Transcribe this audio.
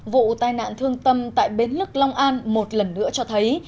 vụ tai nạn thương tâm tại bến lức long an một lần nữa cho thấy